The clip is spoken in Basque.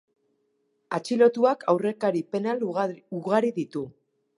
Atxilotuak aurrekari penal ugari ditu.